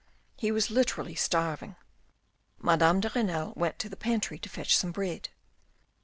He was literally starving. Madame de Renal went to the pantry to fetch some bread.